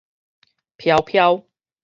飄飄